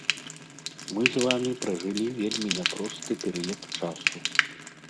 Мы з вамі пражылі вельмі няпросты перыяд часу.